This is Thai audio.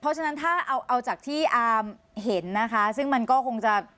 เพราะฉะนั้นถ้าเอาเอาจากที่อาร์มเห็นนะคะซึ่งมันก็คงจะ